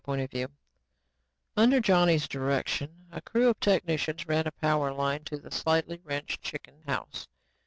Under Johnny's direction, a crew of technicians ran a power line into the slightly wrecked chicken house.